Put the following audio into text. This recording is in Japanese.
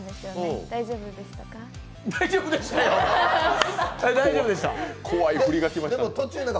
大丈夫でしたか？